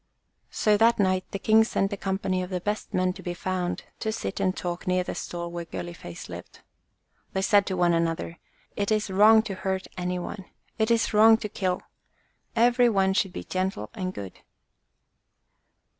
So that night the king sent a company of the best men to be found to sit and talk near the stall where Girly face lived. They said to one another, "It is wrong to hurt any one. It is wrong to kill. Every one should be gentle and good."